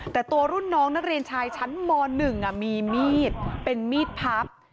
แต่ตัวรุ่นน้องนักเรียนชายชั้นม๑มีมีดเป็นมีดพับ